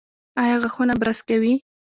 ایا غاښونه برس کوي؟